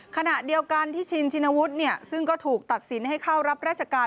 ขณะเดียวกันที่ชินชินวุฒิซึ่งก็ถูกตัดสินให้เข้ารับราชการ